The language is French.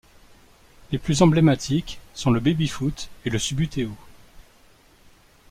Les plus emblématiques sont le Baby-foot et le Subbuteo.